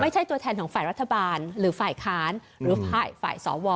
ไม่ใช่ตัวแทนของฝ่ายรัฐบาลหรือฝ่ายค้านหรือฝ่ายฝ่ายสอวอ